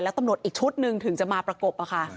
แล้วตำรวจอีกชุดหนึ่งถึงจะมาประกบค่ะ